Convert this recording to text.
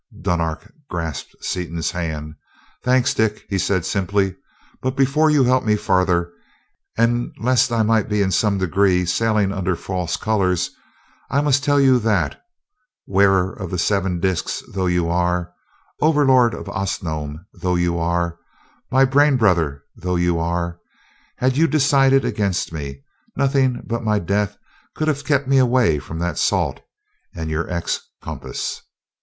Dunark grasped Seaton's hand. "Thanks, Dick," he said, simply. "But before you help me farther, and lest I might be in some degree sailing under false colors, I must tell you that, wearer of the seven disks though you are, Overlord of Osnome though you are, my brain brother though you are; had you decided against me, nothing but my death could have kept me away from that salt and your 'X' compass."